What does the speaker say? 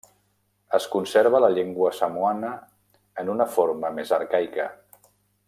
Es conserva la llengua samoana en una forma més arcaica.